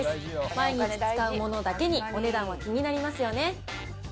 毎日使う物だけに、お値段は気になりますよね。